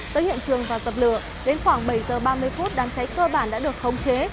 tới hiện trường và dập lửa đến khoảng bảy giờ ba mươi phút đám cháy cơ bản đã được khống chế